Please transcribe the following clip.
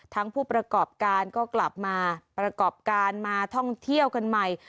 ผู้ประกอบการก็กลับมาประกอบการมาท่องเที่ยวกันใหม่